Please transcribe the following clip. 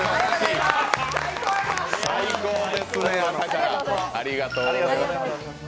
最高ですね、朝からありがとうございました。